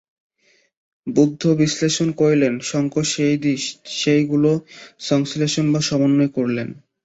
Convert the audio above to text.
বুদ্ধ বিশ্লেষণ করেছিলেন, শঙ্কর সেইগুলি সংশ্লেষণ বা সমন্বয় করলেন।